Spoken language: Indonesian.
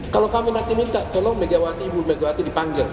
kalau kami nanti minta tolong megawati ibu megawati dipanggil